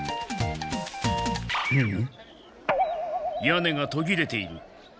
屋根がとぎれている。